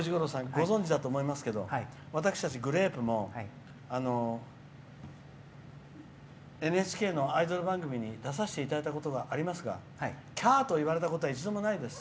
ご存じだと思いますけど私たち、グレープもＮＨＫのアイドル番組に出させていただいたことがありますがキャー！と言われたことは一度もないです。